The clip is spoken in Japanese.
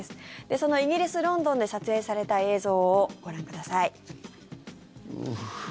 そのイギリス・ロンドンで撮影された映像をご覧ください。